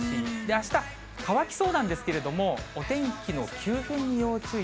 あした、乾きそうなんですけれども、お天気の急変に要注意。